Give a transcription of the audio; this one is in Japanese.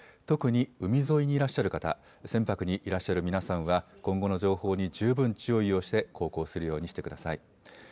特に海沿いにいらっしゃる方、船舶にいらっしゃる皆さんは今後の情報に十分注意をして航行するようにしてください。